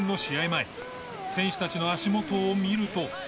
前選手たちの足元を見ると。